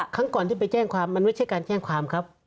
ครั้งก่อนที่ไปแจ้งความมันไม่ใช่การแจ้งความครับ